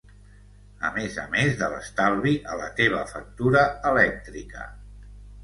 a més a més de l'estalvi a la teva factura elèctrica